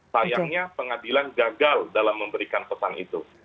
dan sepertinya pengadilan gagal dalam memberikan petang itu